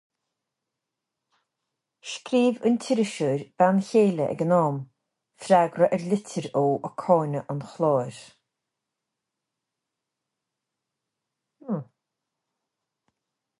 Scríobh an t-iriseoir bean chéile ag an am, freagra ar litir ó ag cáineadh an chláir.